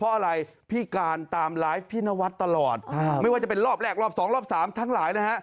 เพราะอะไรพี่การตามไลฟ์พี่นวัดตลอดไม่ว่าจะเป็นรอบแรกรอบสองรอบสามทั้งหลายนะฮะ